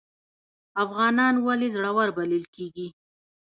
افغانان ولې زړور بلل کیږي؟